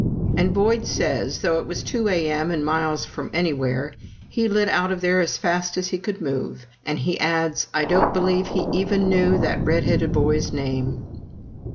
And Boyd says, though it was 2 A.M. and miles from anywhere, he lit out of there as fast as he could move; and he adds, "I don't believe he even knew that red headed boy's name!"